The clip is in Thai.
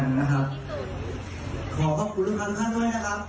ขอขอบคุณทุกท่านด้วยนะครับ